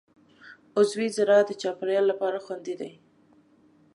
عضوي زراعت د چاپېریال لپاره خوندي دی.